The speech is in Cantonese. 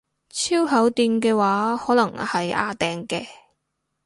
超厚墊嘅話可能係掗掟嘅